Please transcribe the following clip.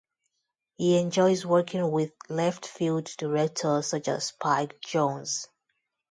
He enjoys working with left-field directors, such as Spike Jonze.